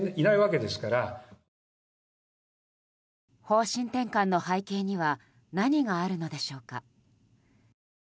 方針転換の背景には何があるのでしょうか。